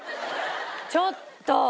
ちょっと！